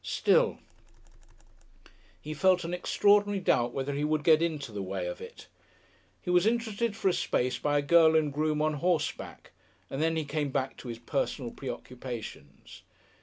Still He felt an extraordinary doubt whether he would get into the way of it. He was interested for a space by a girl and groom on horseback, and then he came back to his personal preoccupations.